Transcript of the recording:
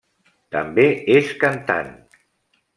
També és cantant.